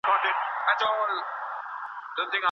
شرعیاتو پوهنځۍ په ناسمه توګه نه رهبري کیږي.